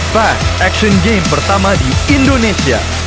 five action game pertama di indonesia